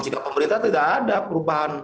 sikap pemerintah tidak ada perubahan